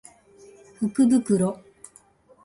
福袋